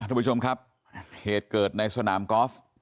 ทุกผู้ชมครับเหตุเกิดในสนามกอล์ฟ